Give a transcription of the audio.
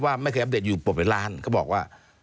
ว่าไม่เคยอัปเดตอยู่ปกติล้านก็บอกว่า